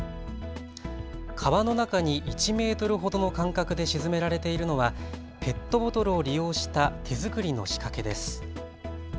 川の中に１メートルほどの間隔で沈められているのはペットボトルを利用した手作りの仕掛けです。